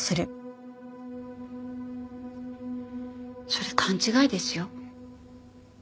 それ勘違いですよ。